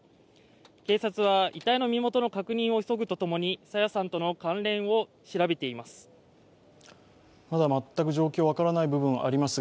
警察は、遺体の身元の確認を急ぐとともに朝芽さんとの関連を調べています。